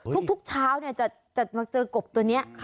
ทุกช้าวเจอกบตัวนี้